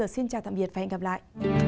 xin chào tạm biệt và hẹn gặp lại